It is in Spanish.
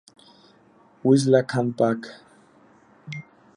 Wisla-Can Pack.